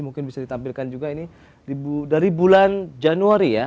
mungkin bisa ditampilkan juga ini dari bulan januari ya